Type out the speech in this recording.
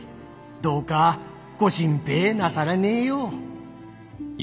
どうかご心配なさらねえよう」。